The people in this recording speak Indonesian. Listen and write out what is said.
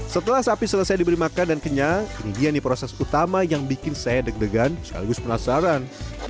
setelah sapi selesai diberi makan dan kenyang ini dia nih proses utama yang bikin saya deg degan sekaligus penasaran